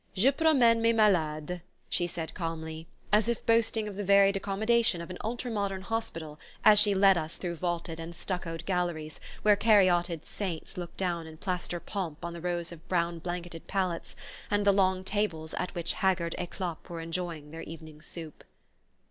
"Je promene mes malades," she said calmly, as if boasting of the varied accommodation of an ultra modern hospital, as she led us through vaulted and stuccoed galleries where caryatid saints look down in plaster pomp on the rows of brown blanketed pallets and the long tables at which haggard eclopes were enjoying their evening soup.